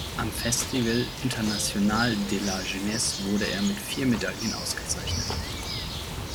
Am Festival International de la Jeunesse wurde er mit vier Medaillen ausgezeichnet.